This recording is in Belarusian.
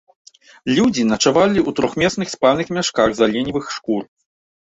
Людзі начавалі ў трохмесных спальных мяшках з аленевых шкур.